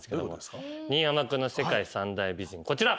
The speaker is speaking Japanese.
新浜君の世界三大美人こちら。